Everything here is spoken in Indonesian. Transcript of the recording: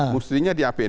mestinya di apbnp di bnp